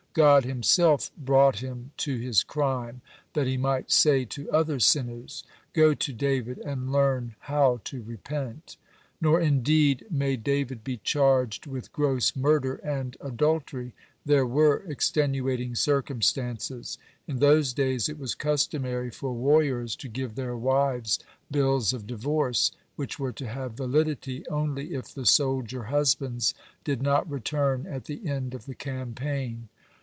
God Himself brought him to his crime, that He might say to other sinners: "Go to David and learn how to repent." (91) Nor, indeed, may David be charged with gross murder and adultery. There were extenuating circumstances. In those days it was customary for warriors to give their wives bills of divorce, which were to have validity only if the soldier husbands did not return at the end of the campaign.